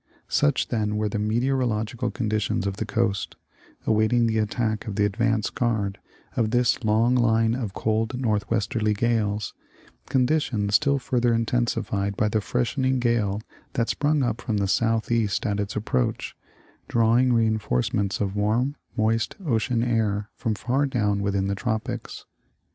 Such, then, were the meteorological conditions off the coast, awaiting the attack of the advance guard of this long line of cold northwesterly gales, — conditions still further intensified by the freshening gale that sprung up from the southeast at its approach, drawing re enforcements of warm, moist ocean air from far down within the tropics.